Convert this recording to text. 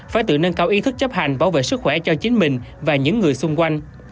phải tự nâng cao ý thức chấp hành bảo vệ sức khỏe cho chính mình và những người xung quanh